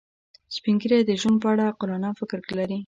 سپین ږیری د ژوند په اړه عاقلانه فکر لري